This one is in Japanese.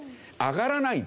上がらない。